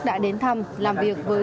đã đến thăm làm việc với